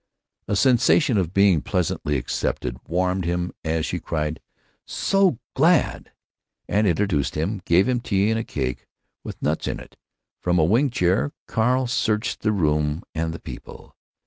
A sensation of being pleasantly accepted warmed him as she cried, "So glad——" and introduced him, gave him tea and a cake with nuts in it. From a wing chair Carl searched the room and the people.